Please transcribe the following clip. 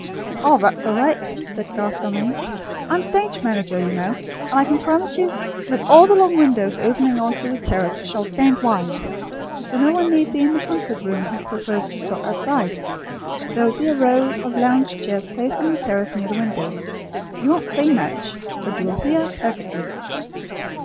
"Oh, that's all right," said Garth Dalmain, "I'm stage manager, you know; and I can promise you that all the long windows opening on to the terrace shall stand wide. So no one need be in the concert room, who prefers to stop outside. There will be a row of lounge chairs placed on the terrace near the windows. You won't see much; but you will hear, perfectly."